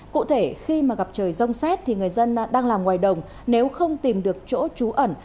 cụ thể khi mà gặp trời rông xét thì người dân đang làm ngoài đồng nếu không tìm được chỗ trú ẩn